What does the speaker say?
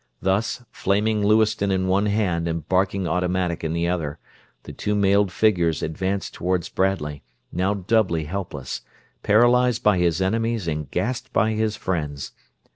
Thus, flaming Lewiston in one hand and barking automatic in the other, the two mailed figures advanced toward Bradley; now doubly helpless: paralyzed by his enemies and gassed by his friends.